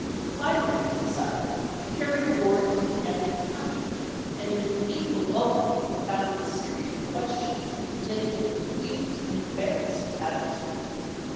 Finally he decided to cany the war into the enemy's country and in an evil moment he propounded a series of ques tions intended to confuse and embarrass his ad versary.